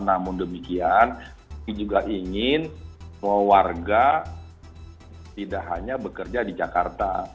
namun demikian kami juga ingin semua warga tidak hanya bekerja di jakarta